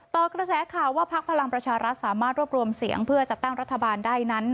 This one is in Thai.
กระแสข่าวว่าพักพลังประชารัฐสามารถรวบรวมเสียงเพื่อจัดตั้งรัฐบาลได้นั้น